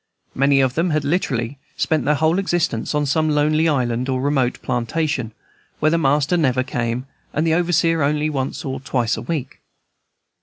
Many of them had literally spent their whole existence on some lonely island or remote plantation, where the master never came, and the overseer only once or twice a week.